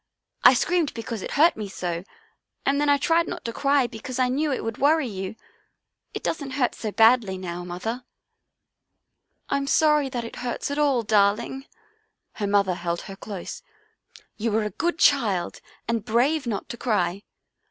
I screamed because it hurt me so, and then I tried not to cry because I knew it would worry you. It doesn't hurt so badly now, Mother." " I'm sorry it hurts at all, darling," her mother held her close. " You were a good child and brave not to cry.